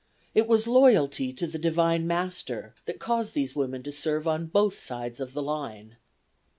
It was loyalty to the Divine Master that caused these women to serve on both sides of the line.